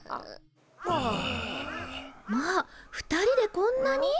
まあ２人でこんなに？